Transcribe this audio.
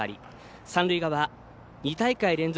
三塁側２大会連続